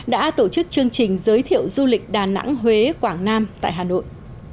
đã tổ chức chương trình giới thiệu du lịch đà nẵng huế quảng nam tại hà nội